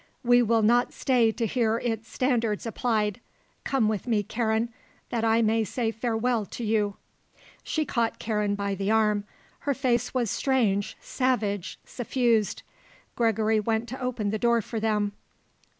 We will not stay to hear its standards applied. Come with me, Karen, that I may say farewell to you." She caught Karen by the arm. Her face was strange, savage, suffused. Gregory went to open the door for them.